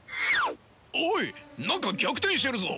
おい何か逆転してるぞ！